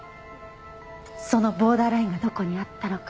そのボーダーラインがどこにあったのか。